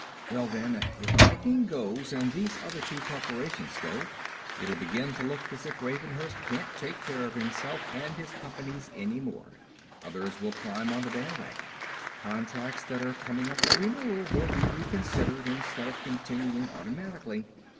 "Well, then. If Viking goes, and these other two corporations go, it'll begin to look as if Ravenhurst can't take care of himself and his companies anymore. Others will climb on the bandwagon. Contracts that are coming up for renewal will be reconsidered instead of continuing automatically.